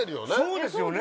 そうですよね。